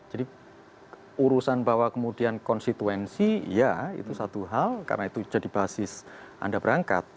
jadi urusan bahwa kemudian konstituensi ya itu satu hal karena itu jadi basis anda berangkat